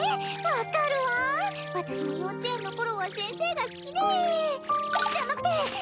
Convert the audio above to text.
分かるわ私も幼稚園の頃は先生が好きでじゃなくて！